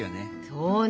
そうね